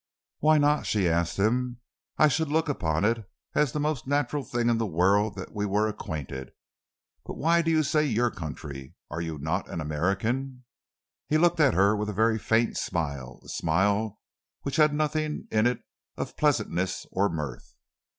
"Why not?" she asked him. "I should look upon it as the most natural thing in the world that we were acquainted. But why do you say 'your country'? Are you not an American?" He looked at her with a very faint smile, a smile which had nothing in it of pleasantness or mirth.